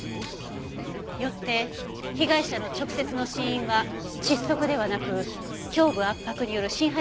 よって被害者の直接の死因は窒息ではなく胸部圧迫による心破裂の可能性があります。